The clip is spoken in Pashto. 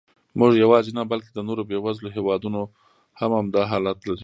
موږ یواځې نه، بلکې د نورو بېوزلو هېوادونو هم همدا حالت لري.